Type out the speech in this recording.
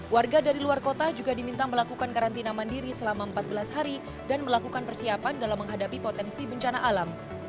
warga dari luar kota juga diminta melakukan karantina mandiri selama empat belas hari dan melakukan persiapan dalam menghadapi potensi bencana alam